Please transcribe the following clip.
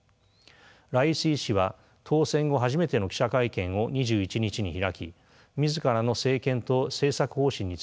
ライシ師は当選後初めての記者会見を２１日に開き自らの政権と政策方針について語りました。